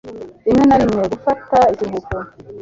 rimwe na rimwe gufata ikiruhuko